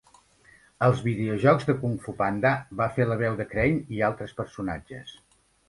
Als videojocs de "Kung Fu Panda", va fer la veu de Crane i altres personatges.